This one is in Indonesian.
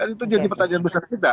itu jadi pertanyaan besar kita